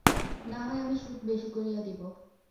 নাহয় আমি সুদ বেশি করিয়া দিব।